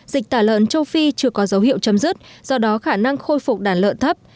dịch tả lợn châu phi chưa có dấu hiệu chấm dứt do đó khả năng khôi phục đàn lợn thấp